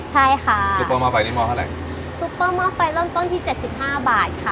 ใช่ค่ะซุปเปอร์ห้อไฟนี่หม้อเท่าไหร่ซุปเปอร์หม้อไฟเริ่มต้นที่เจ็ดสิบห้าบาทค่ะ